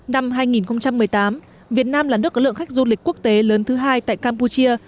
năm hai nghìn một mươi tám việt nam là nước có lượng khách du lịch quốc tế lớn thứ hai tại campuchia